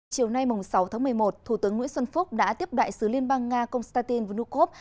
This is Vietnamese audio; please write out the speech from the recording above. chiều nay sáu tháng một mươi một thủ tướng nguyễn xuân phúc đã tiếp đại sứ liên bang nga konstantin vnukov